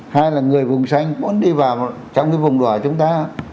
hai là người vùng xanh muốn đi vào trong cái vùng đỏ chúng ta